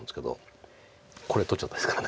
これ取っちゃったですから。